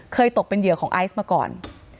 ตกเป็นเหยื่อของไอซ์มาก่อน